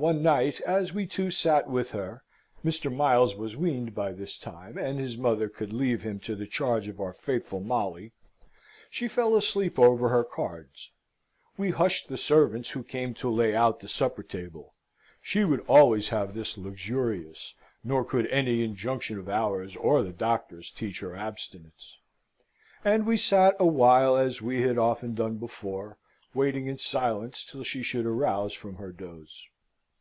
One night, as we two sat with her (Mr. Miles was weaned by this time, and his mother could leave him to the charge of our faithful Molly), she fell asleep over her cards. We hushed the servants who came to lay out the supper table (she would always have this luxurious, nor could any injunction of ours or the Doctor's teach her abstinence), and we sat a while as we had often done before, waiting in silence till she should arouse from her doze.